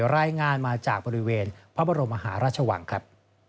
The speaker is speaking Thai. รายงานมาจากบริเวณพระบรมมหาราชวังครับ